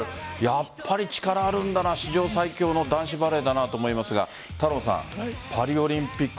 やっぱり力あるんだな史上最強の男子バレーだなと思いますが太郎さん、パリオリンピック